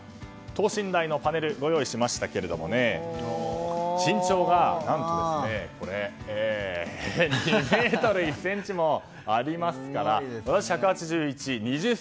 等身大のパネルを用意しましたけど身長が２ｍ１ｃｍもありますから私１８１ｃｍ。